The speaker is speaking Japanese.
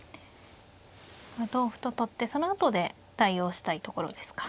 同歩と取ってそのあとで対応したいところですか。